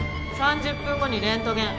３０分後にレントゲン。